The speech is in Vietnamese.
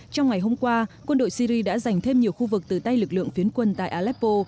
trong ngày hôm qua quân đội syri đã dành thêm nhiều khu vực từ tay lực lượng phiến quân tại aleppo